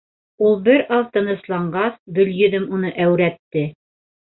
Ул бер аҙ тынысланғас, Гөлйөҙөм уны әүрәтте: